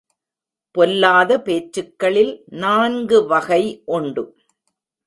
பொல்லாத பேச்சுக்களில் நான்கு வகை உண்டு.